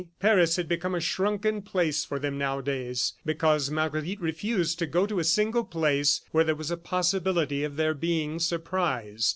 ... Paris had become a shrunken place for them nowadays because Marguerite refused to go to a single place where there was a possibility of their being surprised.